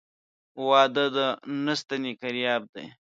واده د نه ستني کرياب دى.